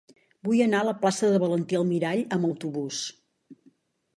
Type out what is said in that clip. Vull anar a la plaça de Valentí Almirall amb autobús.